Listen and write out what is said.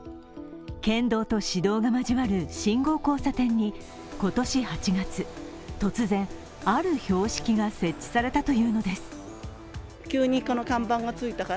県道と市道が交わる信号交差点に今年８月、突然、ある標識が設置されたというのです。